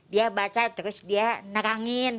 dia baca terus dia nerangin